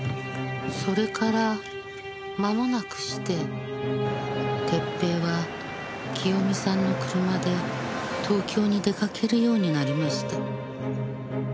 それから間もなくして哲平は清美さんの車で東京に出かけるようになりました。